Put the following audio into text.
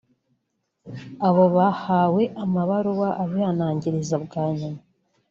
Abo bahawe amabaruwa abihanangiriza bwa nyuma